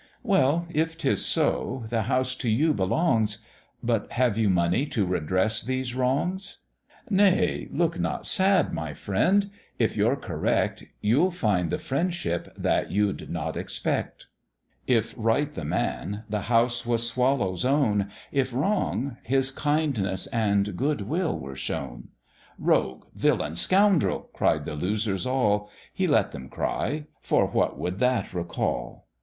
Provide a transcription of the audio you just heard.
"Well, if 'tis so, the house to you belongs; But have you money to redress these wrongs? Nay, look not sad, my friend; if you're correct, You'll find the friendship that you'd not expect." If right the man, the house was Swallow's own; If wrong, his kindness and good will were shown: "Rogue!" "Villain!" "Scoundrel!" cried the losers all: He let them cry, for what would that recall?